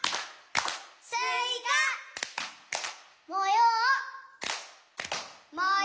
「もよう」。